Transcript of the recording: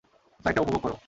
ফ্লাইটটা উপভোগ কোরো!